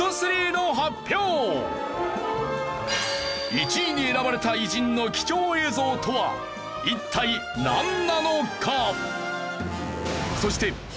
１位に選ばれた偉人の貴重映像とは一体なんなのか？